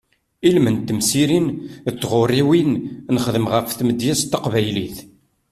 Ilmend n temsirin d tɣuriwin nexdem ɣef tmedyazt taqbaylit.